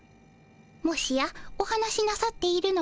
もしやお話しなさっているのはプリンさま？